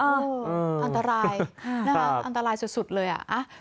อันตรายอันตรายสุดเลย